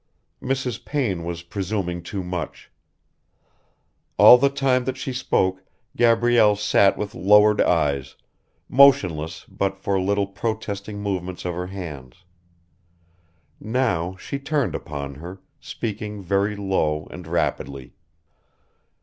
Mrs. Payne was presuming too much. All the time that she spoke Gabrielle sat with lowered eyes, motionless but for little protesting movements of her hands; now she turned upon her, speaking very low and rapidly.